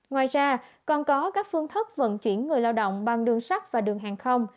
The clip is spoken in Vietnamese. ngoài ra còn có các phương thức vận chuyển người lao động bằng đường sắt và đường hàng không